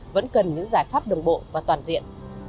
vẫn cần những giải pháp đồng bộ và toàn diện